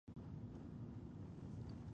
خپلې هڅې د وطن د ترقۍ لپاره وقف کړئ.